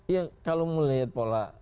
iya kalau melihat pola